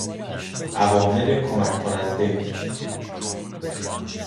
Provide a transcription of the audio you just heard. عوامل کمک کننده